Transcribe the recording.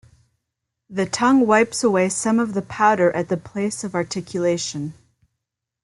The tongue wipes away some of the powder at the place of articulation.